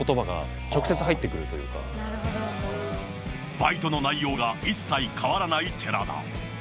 バイトの内容が一切変わらない寺田。